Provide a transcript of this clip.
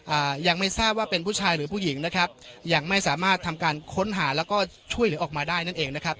อ่ายังไม่ทราบว่าเป็นผู้ชายหรือผู้หญิงนะครับยังไม่สามารถทำการค้นหาแล้วก็ช่วยเหลือออกมาได้นั่นเองนะครับ